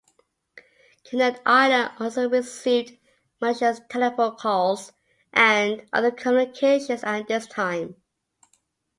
Connect Ireland also received malicious telephone calls and other communications at this time.